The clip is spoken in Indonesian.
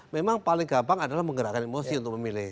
memang paling gampang adalah menggerakkan emosi untuk memilih